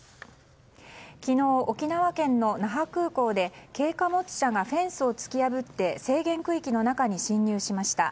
昨日、沖縄県の那覇空港で軽貨物車がフェンスを突き破って制限区域の中に侵入しました。